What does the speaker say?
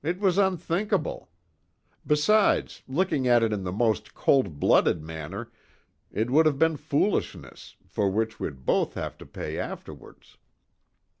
It was unthinkable! Besides, looking at it in the most cold blooded manner, it would have been foolishness, for which we'd both have to pay afterwards."